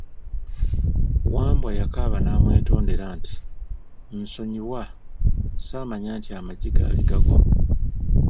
Wambwa yakaaba n'amwetondera nti, nsonyiwa, saamanya nti amaggi gaali gago!